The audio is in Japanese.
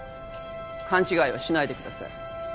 勘違いはしないでください。